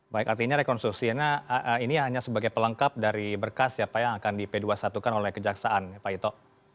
baik artinya rekonstruksinya ini hanya sebagai pelengkap dari berkas ya pak yang akan di p dua puluh satukan oleh kejaksaan pak ito